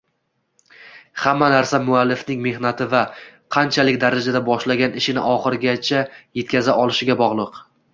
Hamma narsa muallifning mehnati va qanchalik darajada boshlagan ishini oxiriga yetkaza olishiga bog’liq